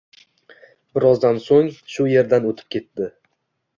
Birozdan soʻng shu yerdan oʻtib ketdi.